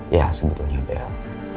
ya sebetulnya bel